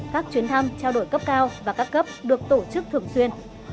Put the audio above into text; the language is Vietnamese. các chuyến thăm trao đổi cấp cao và các cấp được tổ chức thường xuyên